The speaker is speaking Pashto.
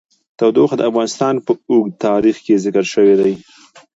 تودوخه د افغانستان په اوږده تاریخ کې ذکر شوی دی.